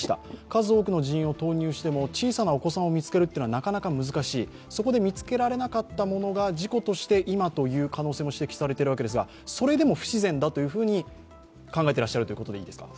数多くの人員を投入しても小さなお子さんを見つけるのはなかなか難しいそこで見つけられなかったものが事故として今という可能性も指摘されているわけですが、それでも不自然だというふうに考えてらっしゃるということでいいですか。